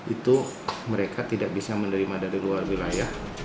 itu mereka tidak bisa menerima dari luar wilayah